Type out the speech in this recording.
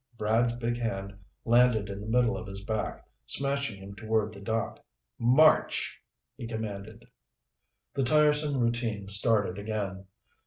Brad's big hand landed in the middle of his back, smashing him toward the dock. "March!" he commanded. The tiresome routine started again.